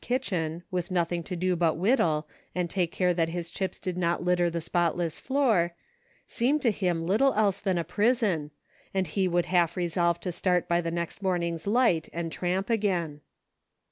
II3 kitchen, with nothing to do but whittle, and take care that his chips did not litter the spotless floor, seemed to him little else than a prison, and he would half resolve to start by the next morning's light and tramp a^ajn.